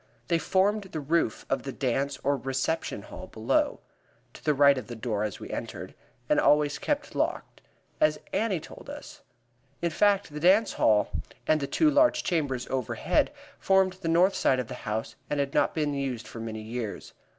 They formed the roof of the dance or reception hall below to the right of the door as we entered and always kept locked, as Annie told us. In fact, the dance hall and the two large chambers overhead formed the north side of the house and had not been used for many years.